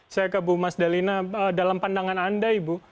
saya ke bu mas dalina dalam pandangan anda ibu